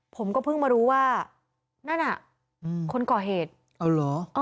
ผมก็เพิ่งมารู้ว่านั่นอ่ะคนก่อเหตุเอาเหรอ